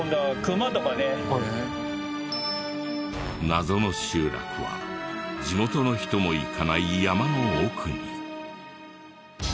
謎の集落は地元の人も行かない山の奥に。